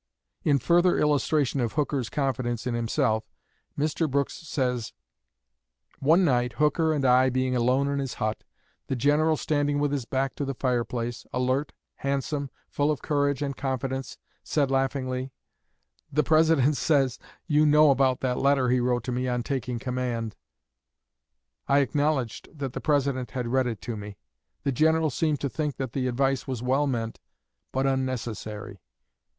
In further illustration of Hooker's confidence in himself, Mr. Brooks says: "One night, Hooker and I being alone in his hut, the General standing with his back to the fireplace, alert, handsome, full of courage and confidence, said laughingly, 'The President says you know about that letter he wrote me on taking command.' I acknowledged that the President had read it to me. The General seemed to think that the advice was well meant, but unnecessary.